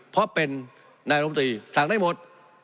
เพราะเป็นนายรมตรีสั่งได้หมด